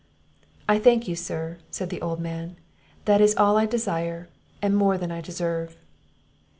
"I thank you, sir," said the old man; "that is all I desire, and more than I deserve."